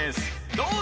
どうぞ。